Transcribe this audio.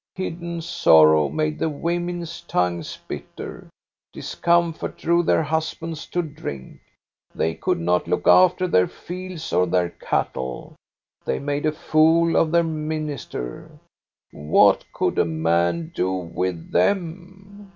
Hidden sorrow made the women's tongues bitter. Discomfort drove their husbands to drink. They could not look after their fields or their cattle. They made a fool of their minister. What could a man do with them?